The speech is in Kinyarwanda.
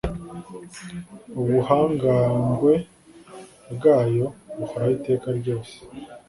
ubuhangangwe bwayo buhoraho iteka ryose